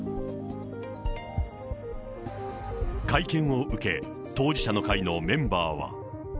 会見を受け、当事者の会のメンバーは。